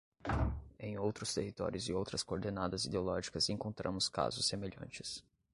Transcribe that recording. Em outros territórios e outras coordenadas ideológicas, encontramos casos semelhantes.